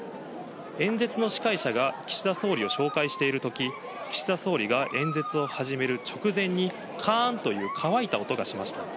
演説の司会者が岸田総理を紹介しているとき、岸田総理が演説を始める直前に、かーんという乾いた音がしました。